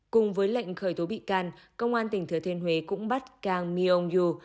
cùng với lệnh khởi tố bị can công an tỉnh thừa thiên huế cũng bắt kang myong yoo